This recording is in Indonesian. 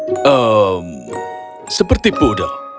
ehm seperti puder